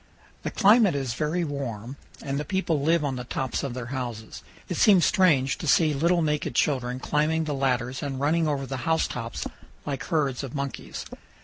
The climate is very warm and the people live on the tops of their houses. It seems strange to see little naked children climbing the ladders and running over the house tops like herds of monkeys.